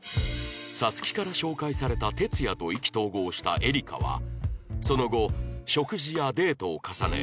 皐月から紹介されたテツヤと意気投合したエリカはその後食事やデートを重ね